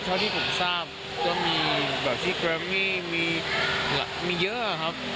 เท่าที่ผมทราบก็มีแบบที่แกรมมี่มีเยอะครับ